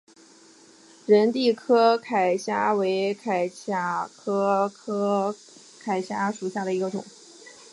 仁娣柯铠虾为铠甲虾科柯铠虾属下的一个种。